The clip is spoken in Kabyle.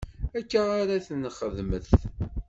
Akka ara t-nxedmet.